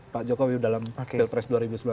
pak jokowi dalam pilpres dua ribu sembilan belas